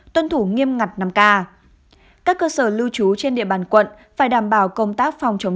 tuân thủ nghiêm ngặt năm k các cơ sở lưu trú trên địa bàn quận phải đảm bảo công tác phòng chống